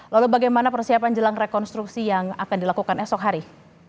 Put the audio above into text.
lalu bagaimana persiapan jelang rekonstruksi yang akan dilakukan esok hari